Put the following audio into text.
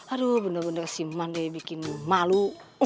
aduh bener bener si mandai bikin malu